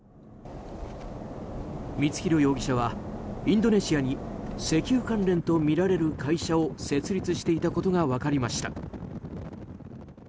光弘容疑者はインドネシアに石油関連とみられる会社を設立していたことが分かりました。